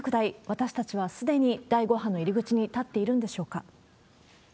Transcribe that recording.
私たちはすでに第５波の入り口に立っているんでしょうか。